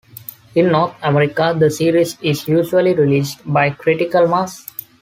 In North America, the series is usually released by Critical Mass.